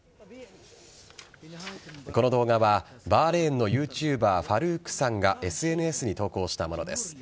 この動画はバーレーンのＹｏｕＴｕｂｅｒファルークさんがＳＮＳに投稿したものです。